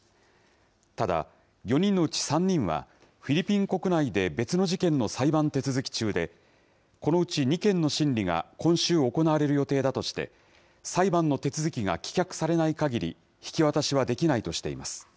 ただ、４人のうち３人は、フィリピン国内で別の事件の裁判手続き中で、このうち２件の審理が今週行われる予定だとして、裁判の手続きが棄却されないかぎり、引き渡しはできないとしています。